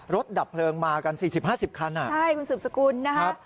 รถดับเพลิงมากันสี่สิบห้าสิบคันอ่ะใช่คุณสูตรสกุลนะฮะ